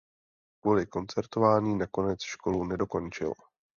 Kvůli koncertování nakonec školu nedokončil.